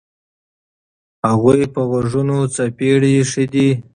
هغوی په غوږونو څپېړې ایښي دي.